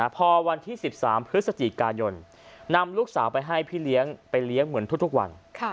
พอวันที่๑๓พฤศจิกายนนำลูกสาวไปให้พี่เลี้ยงไปเลี้ยงเหมือนทุกวัน